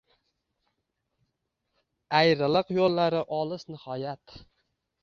Ayrilik yo’llari olis nihoyat.